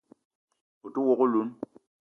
O te wok oloun